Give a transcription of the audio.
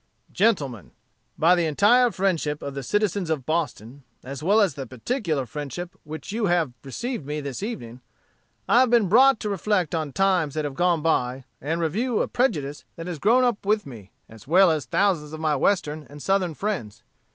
"GENTLEMEN: "By the entire friendship of the citizens of Boston, as well as the particular friendship with which you have received me this evening, I have been brought to reflect on times that have gone by, and review a prejudice that has grown up with me, as well as thousands of my Western and Southern friends.